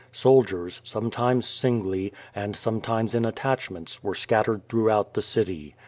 Soldiers, sometimes singly, and sometimes in at tachments, were scattered throughout the city.